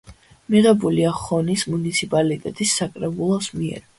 მიღებულია ხონის მუნიციპალიტეტის საკრებულოს მიერ.